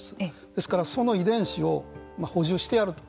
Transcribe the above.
ですから、その遺伝子を補充してやると。